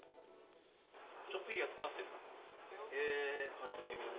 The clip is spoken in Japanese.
ちょっぴり安くなってるな。